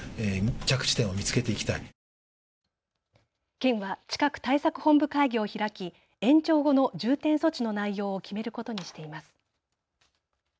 県は、近く対策本部会議を開き延長後の重点措置の内容を決めることにしています。